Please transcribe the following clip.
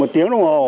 một tiếng đồng hồ